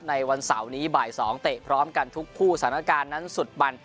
วันเสาร์นี้บ่าย๒เตะพร้อมกันทุกคู่สถานการณ์นั้นสุดมัน